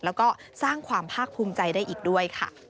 แล้วก็สร้างความภาคภูมิใจได้อีกด้วยค่ะ